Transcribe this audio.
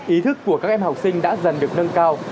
ý thức của các em học sinh đã dần được nâng cao